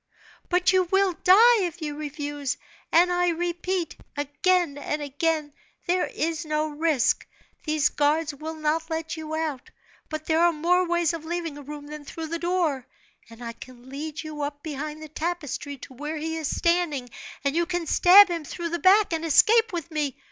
"But you will die if you refuse; and I repeat, again and again, there is no risk. These guards will not let you out; but there are more ways of leaving a room than through the door, and I can lead you up behind the tapestry to where he is standing, and you can stab him through the back, and escape with me!